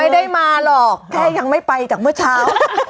ไม่ได้มาหรอกแค่ยังไม่ไปจากเมื่อเช้า